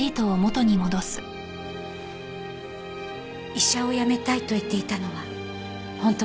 医者を辞めたいと言っていたのは本当です。